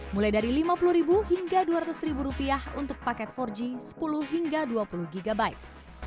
mulai dari lima puluh ribu hingga dua ratus ribu rupiah untuk paket empat g sepuluh hingga dua puluh gigabyte